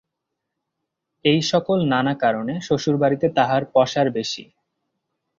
এই-সকল নানা কারণে শ্বশুরবাড়িতে তাঁহার পসার বেশি।